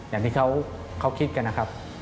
อย่างที่เขาคิดกันนะครับ